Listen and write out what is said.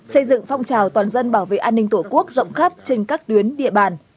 xây dựng phong trào toàn dân bảo vệ an ninh tổ quốc rộng khắp trên các tuyến địa bàn